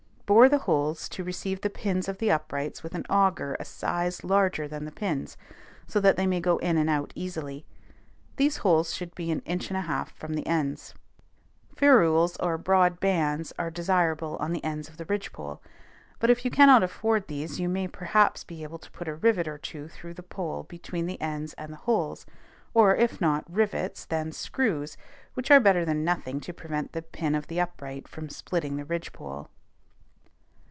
Bore the holes to receive the pins of the uprights with an auger a size larger than the pins, so that they may go in and out easily: these holes should be an inch and a half from the ends. Ferrules or broad bands are desirable on the ends of the ridgepole; but if you cannot afford these you may perhaps be able to put a rivet or two through the pole between the ends and the holes, or, if not rivets, then screws, which are better than nothing to prevent the pin of the upright from splitting the ridgepole.